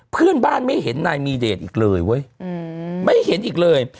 เพื่อนบ้านไม่เห็นนายมีเดชอีกเลยเว้ยไม่เห็นอีกเลย